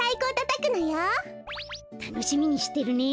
たのしみにしてるね。